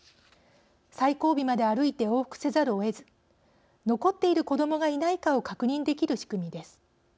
最後尾まで歩いて往復せざるをえず残っている子どもがいないかを確認できる仕組みです。